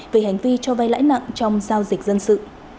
về hành vi cho vay lãi nặng trong giao dịch dân sự